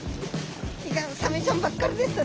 いかんサメちゃんばっかりでした。